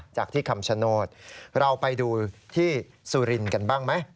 จากที่คำชโนธเราไปดูที่สุรินทร์กันบ้างไหม